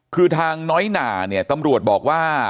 คือทางน้อยหนาเนี่ยตำรวจบอกว่า